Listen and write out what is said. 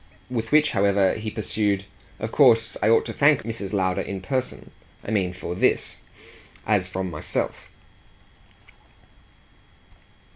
With which, however, he pursued: "Of course I ought to thank Mrs. Lowder in person. I mean for THIS as from myself."